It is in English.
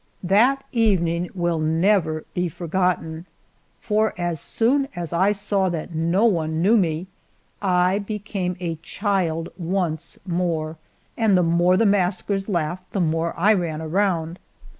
That evening will never be forgotten, for, as soon as I saw that no one knew me, I became a child once more, and the more the maskers laughed the more I ran around.